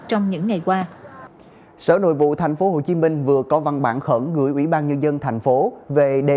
trong những ngày qua sở nội vụ tp hcm vừa có văn bản khẩn gửi ủy ban nhân dân thành phố về đề